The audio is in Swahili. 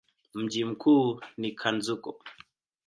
Mji mkuu ni Cankuzo.